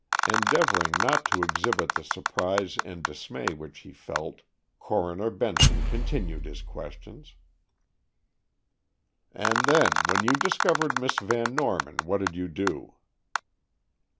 Endeavoring not to exhibit the surprise and dismay which he felt, Coroner Benson continued his questions. "And then, when you discovered Miss Van Norman, what did you do?"